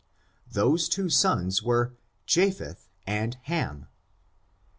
Those two sons were Japheth and Ham.